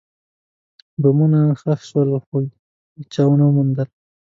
بمونه ښخ شول، خو چا ونه موندل.